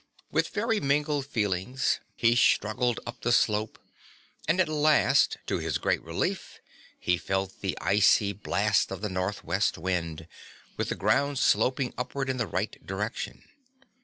With very mingled feelings he struggled up the slope and at last to his great relief he felt the icy blast of the northwest wind, with the ground sloping upward in the right direction.